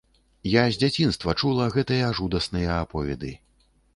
Я з дзяцінства чула гэтыя жудасныя аповеды.